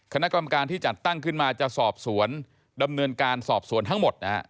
คณะกรรมการที่จัดตั้งขึ้นมาจะสอบสวนดำเนินการสอบสวนทั้งหมดนะฮะ